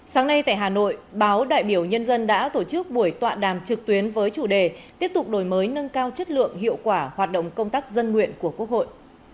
sáng nay tại hà nội báo đại biểu nhân dân đã tổ chức buổi tọa đàm trực tuyến với chủ đề tiếp tục đổi mới nâng cao chất lượng hiệu quả hoạt động công tác dân nguyện của quốc hội